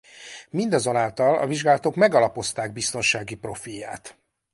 Mindazonáltal a vizsgálatok megalapozták biztonsági profilját.